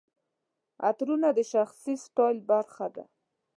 عطرونه د شخصي سټایل برخه ده.